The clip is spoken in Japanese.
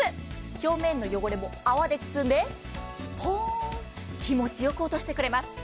表面の汚れも泡で包んでスポーン、気持ちよく落としてくれます。